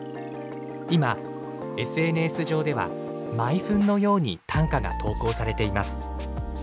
今ＳＮＳ上では毎分のように短歌が投稿されています。